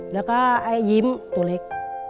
แล้วก็ไอ้ยิ้มตัวเล็ก